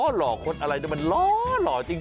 ล้อหรอกคนอะไรเนี่ยมันล้อหรอกจริง